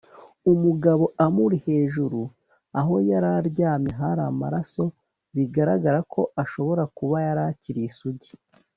umugabo amuri hejuru aho yari aryamye hari amaraso bigaragara ko ashobora kuba yari akiri isugi